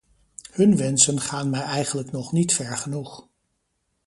Hun wensen gaan mij eigenlijk nog niet ver genoeg.